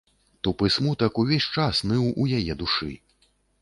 Тупы смутак увесь час ныў у яе душы.